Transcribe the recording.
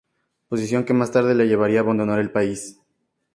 Posición que más tarde le llevaría a abandonar el país.